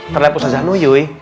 terlihat ustazah doyoi